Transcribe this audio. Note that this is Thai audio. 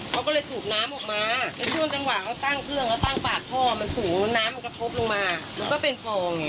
เขาก็เลยสูบน้ำออกมาแล้วช่วงจังหวะเขาตั้งเครื่องเขาตั้งปากท่อมันสูงน้ำมันกระทบลงมามันก็เป็นคลองไง